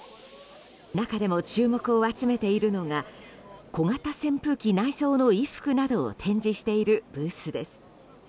中でも、注目を集めているのが小型扇風機内蔵の衣服などを展示しているブースです。